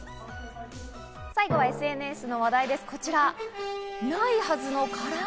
最後はＳＮＳの話題です。